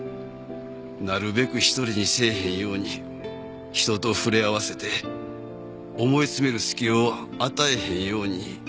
なるべく１人にせえへんように人と触れ合わせて思いつめる隙を与えへんように。